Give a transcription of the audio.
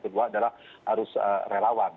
kedua adalah arus relawan